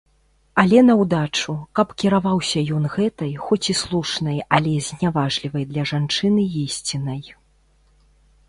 Але наўдачу, каб кіраваўся ён гэтай, хоць і слушнай, але зняважлівай для жанчыны ісцінай.